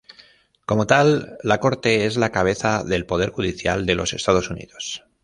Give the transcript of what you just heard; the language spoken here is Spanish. Como tal, la Corte es la cabeza del Poder Judicial de los Estados Unidos.